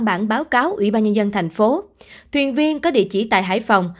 bản báo cáo ủy ban nhân dân thành phố thuyền viên có địa chỉ tại hải phòng